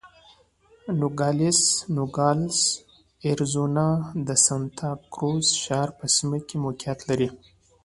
نوګالس اریزونا د سانتا کروز ښار په سیمه کې موقعیت لري.